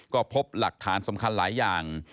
ก็พบหลักฐานสำคัญหลายอย่าง